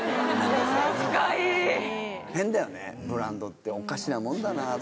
変だよねブランドっておかしなもんだなって。